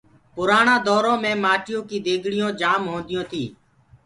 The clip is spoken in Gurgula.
پُرآڻآ دورو مي مآٽيو ڪي ديگڙيونٚ جآم هونديونٚ تي۔